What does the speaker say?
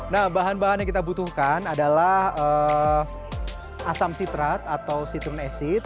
nah bahan bahan yang kita butuhkan adalah asam sitrat atau citrum acid